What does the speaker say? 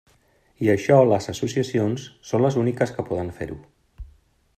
I això les associacions són les úniques que poden fer-ho.